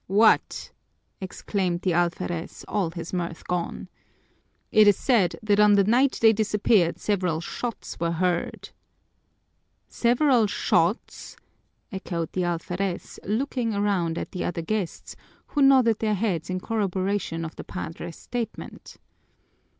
"What!" exclaimed the alferez, all his mirth gone. "It's said that on the night they disappeared several shots were heard." "Several shots?" echoed the alferez, looking around at the other guests, who nodded their heads in corroboration of the padre's statement.